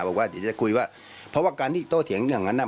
บอกว่าเดี๋ยวจะคุยว่าเพราะว่าการที่โตเถียงอย่างนั้นน่ะ